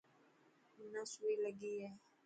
منا سوئي لگي هي.